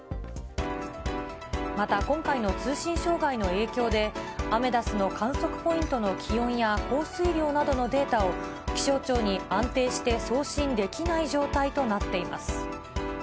また、今回の通信障害の影響で、アメダスの観測ポイントの気温や降水量などのデータを、気象庁に安定して送信できない状態となっています。